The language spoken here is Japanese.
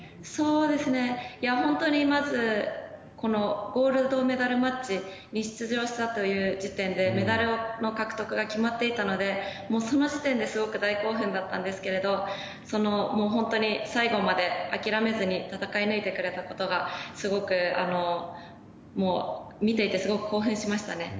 本当にまずゴールドメダルマッチに出場したという時点でメダルの獲得が決まっていたのでその時点ですごく大興奮だったんですけど本当に最後まで諦めずに戦い抜いてくれたことが見ていてすごく興奮しましたね。